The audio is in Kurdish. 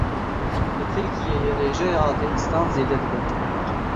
Li Tirkiyeyê rêjeya ateîstan zêde dibe.